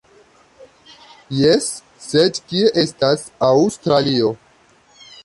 Jes, sed kie estas Aŭstralio?